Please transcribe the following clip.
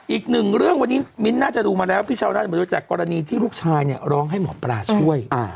อีกหนึ่งเรื่องวันนี้มิ้นน่าจะดูมาแล้วพี่ชาวราชไม่รู้จักกรณีที่ลูกชายเนี่ยร้องให้หมอปลาช่วย